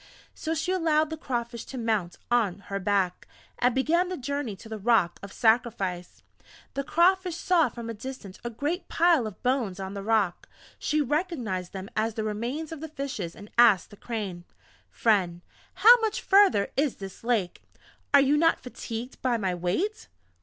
So she allowed the Crawfish to mount on her back, and began the journey to the Rock of sacrifice. The Crawfish saw from a distance a great pile of bones on the Rock. She recognized them as the remains of the Fishes, and asked the Crane: "Friend, how much further is this Lake? Are you not fatigued by my weight?"